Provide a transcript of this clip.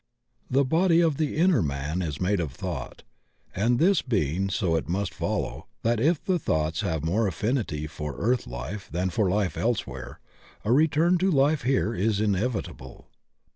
The body of the inner man is made of thought, and this being so it must follow that if the thoughts have more affinity for earth life than for life elsewhere a return to life here is inevitable.